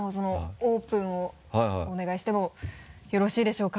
オープンをお願いしてもよろしいでしょうか？